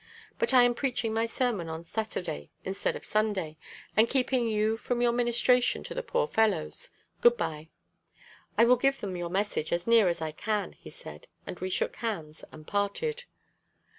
But I am preaching my sermon on Saturday instead of Sunday, and keeping you from your ministration to the poor fellows. Good bye." "I will give them your message as near as I can," he said, and we shook hands and parted.